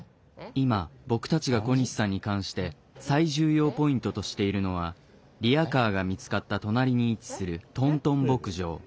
今僕たちが小西さんに関して最重要ポイントとしているのはリアカーが見つかった隣に位置する「トントン牧場」。